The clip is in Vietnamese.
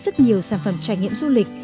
rất nhiều sản phẩm trải nghiệm du lịch